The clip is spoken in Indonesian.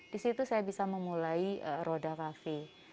disitu saya bisa memulai roda kafe